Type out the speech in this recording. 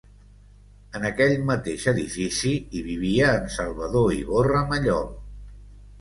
En aquell mateix edifici hi vivia en Salvador Iborra Mallol.